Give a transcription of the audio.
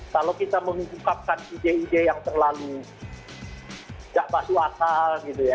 kalau kita mengungkapkan ide ide yang terlalu tidak masuk akal gitu ya